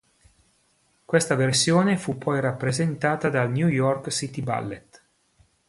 Questa versione fu poi rappresentata dal New York City Ballet.